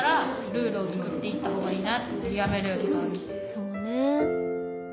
そうねぇ。